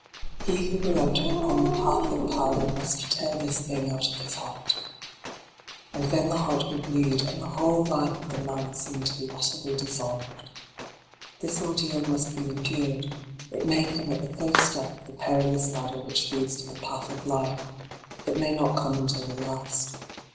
He who will enter upon the path of power must tear this thing out of his heart. And then the heart will bleed, and the whole life of the man seem to be utterly dissolved. This ordeal must be endured : it may come at the first step of the perilous ladder which leads to the path of life : it may not come until the last.